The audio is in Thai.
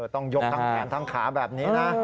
ต้องยกทั้งแขนทั้งขาแบบนี้นะ